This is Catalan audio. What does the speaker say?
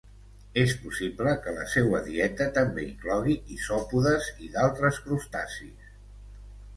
És possible que la seua dieta també inclogui isòpodes i d'altres crustacis.